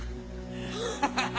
あ！ハハハ。